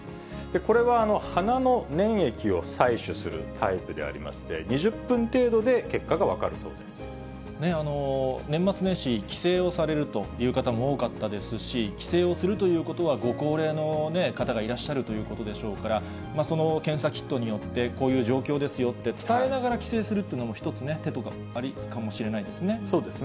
これは、鼻の粘液を採取するタイプでありまして、２０分程度で結果が分か年末年始、帰省をされるという方も多かったですし、帰省をするということは、ご高齢の方がいらっしゃるということでしょうから、その検査キットによって、こういう状況ですよって伝えながら帰省するっていうのも、一つね、手とか、そうですね。